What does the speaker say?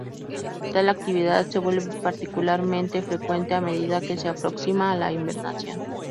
Tal actividad se vuelve particularmente frecuente a medida que se aproxima la hibernación.